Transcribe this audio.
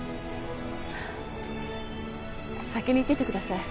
先に行っててください。